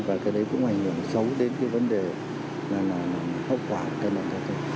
và cái đấy cũng ảnh hưởng xấu đến cái vấn đề là hậu quả của tai nạn